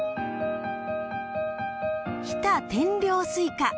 日田天領スイカ。